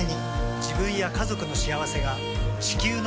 自分や家族の幸せが地球の幸せにつながっている。